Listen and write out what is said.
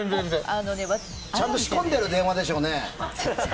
ちゃんと仕込んでの電話でしょうね。